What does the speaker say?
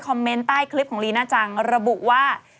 เมนต์ใต้คลิปของลีน่าจังระบุว่า